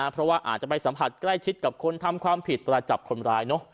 เพราะว่าอาจจะไปสัมผัสใกล้ชิดกับคนทำความผิดเวลาจับคนร้าย